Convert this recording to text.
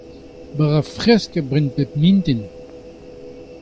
bara fresk a bren bep mintin.